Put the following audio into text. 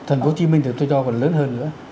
thành phố hồ chí minh thì tôi đo là lớn hơn nữa